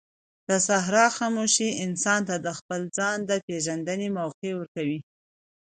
د صحرا خاموشي انسان ته د خپل ځان د پېژندنې موقع ورکوي.